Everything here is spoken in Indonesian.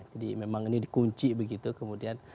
jadi memang ini dikunci begitu kemudian